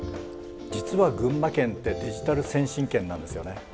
実は群馬県ってデジタル先進県なんですよね。